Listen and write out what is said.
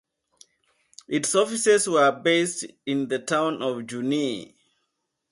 Its offices were based in the town of Junee.